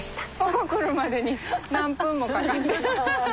ここ来るまでに何分もかかって。